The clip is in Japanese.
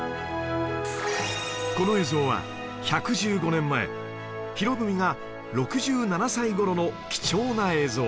この映像は１１５年前博文が６７歳頃の貴重な映像